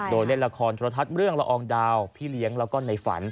โดนเล่นละครทฤษละทัศน์เรื่องระองดาวพี่เลี้ยงน์และในฝัน